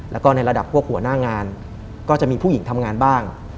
แล้วก็ในระดับพวกหัวหน้างานก็จะมีผู้หญิงทำงานบ้าง